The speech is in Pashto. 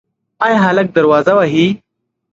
ایا هلک دروازه وهي؟